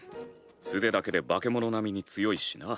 素手だけでバケモノ並みに強いしな。